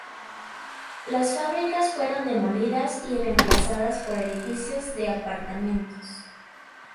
Las fábricas fueron demolidas y reemplazadas por edificios de apartamentos.